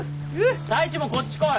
太一もこっち来い！